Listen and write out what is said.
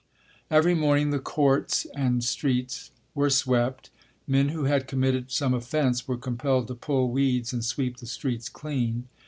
Every morning the "courts" and streets were swept. Men who had committed some offense were compelled to pull weeds and sweep the streets clean.